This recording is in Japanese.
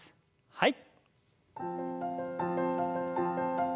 はい。